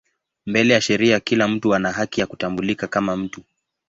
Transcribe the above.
Mbele ya sheria kila mtu ana haki ya kutambulika kama mtu.